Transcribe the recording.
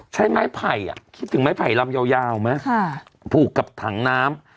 ใช้ไม้ไผ่คิดถึงไม้ไผ่ลำยาวไหมผูกกับถังน้ำ